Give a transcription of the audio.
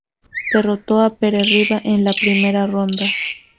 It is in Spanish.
Derrotó a Pere Riba en la primera ronda.